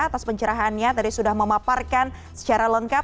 atas pencerahannya tadi sudah memaparkan secara lengkap